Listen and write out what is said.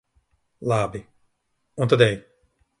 Labi, un tad ej.